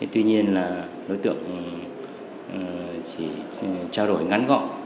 tuy nhiên là đối tượng chỉ trao đổi ngắn gọn